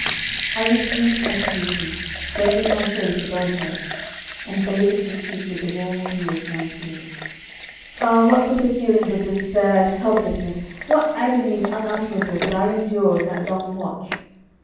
I resumed my position, bending my face above her, and bathing her cheek with the warm dew of my tears. Ah, what bitter feelings of despair and helplessness, what agonies unutterable did I endure in that long watch!